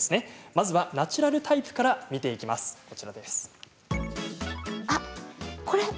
まずはナチュラルタイプから見ていきましょう。